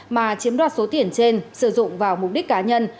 mà chiếm đoạt số tiền trên sử dụng vào mục đích cá nhân